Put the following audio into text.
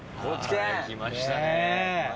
来ましたね。